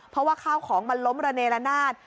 เพราะว่าข้าวของมันล้มระเนรนาศ